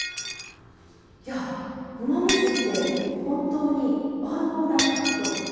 いやあうまみ酢って本当に万能だなと。